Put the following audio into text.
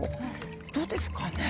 どうですかね？